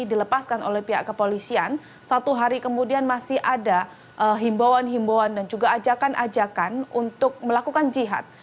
dilepaskan oleh pihak kepolisian satu hari kemudian masih ada himbauan himbauan dan juga ajakan ajakan untuk melakukan jihad